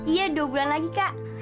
iya dua bulan lagi kak